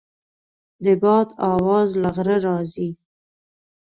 د باد اواز له غره راځي.